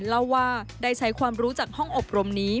เล่าว่าได้ใช้ความรู้จากห้องอบรมนี้